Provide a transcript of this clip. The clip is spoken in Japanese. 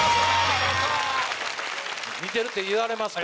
似てるって言われますか？